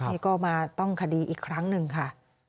นี่ก็มาต้องคดีอีกครั้งหนึ่งค่ะ